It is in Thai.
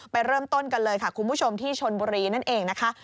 ไปเริ่มต้นกันเลยค่ะคุณผู้ชมที่ชนบุรีนั่นเองนะคะ